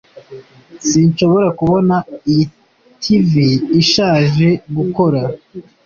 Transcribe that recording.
sinshobora kubona iyi tv ishaje gukora.